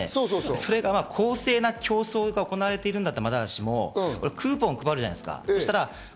それはは公正な競争で行われているならまだしもクーポンを配るじゃないですか。